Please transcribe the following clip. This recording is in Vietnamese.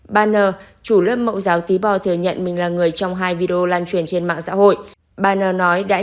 baner chủ lớp mẫu giáo tí bò thừa nhận mình là người trong hai video lan truyền trên mạng xã hội